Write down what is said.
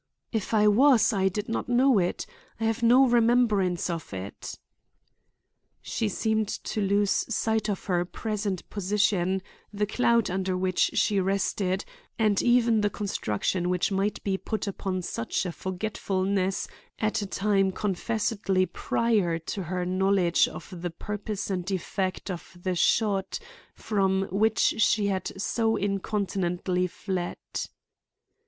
"If I was, I did not know it. I have no remembrance of it." She seemed to lose sight of her present position, the cloud under which she rested, and even the construction which might be put upon such a forgetfulness at a time confessedly prior to her knowledge of the purpose and effect of the shot from which she had so incontinently fled.